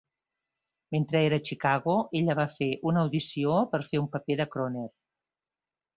Mentre era a Chicago, ella va fer una audició per fer un paper de crooner.